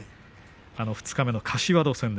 二日目の柏戸戦。